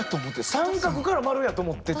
三角から丸やと思ってた。